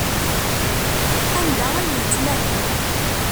Anda ay yettmahal?